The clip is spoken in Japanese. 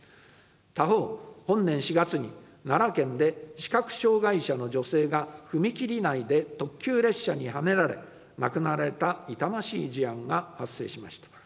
他方、本年４月に奈良県で視覚障害者の女性が、踏切内で特急列車にはねられ、亡くなられた痛ましい事案が発生しました。